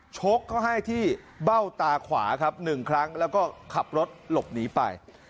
ชกเขาให้ที่เบ้าตาขวาครับ๑ครั้งแล้วก็ขับรถหลบหนีไป